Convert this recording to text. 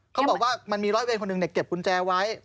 เขาบอกว่ามันมีร้อยเวรคนหนึ่งเก็บกุญแจไว้